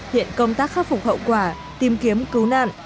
hiện công tác khắc phục hậu quả tìm kiếm cứu nạn